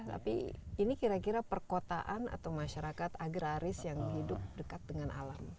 tapi ini kira kira perkotaan atau masyarakat agraris yang hidup dekat dengan alam